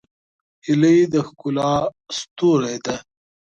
هیلۍ د ښکلا ستوری ده